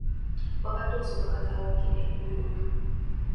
Wabadde osoma katabo ki eggulo?